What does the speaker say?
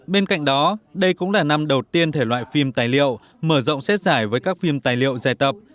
bên cạnh đó đây cũng là năm đầu tiên thể loại phim tài liệu mở rộng xét giải với các phim tài liệu dài tập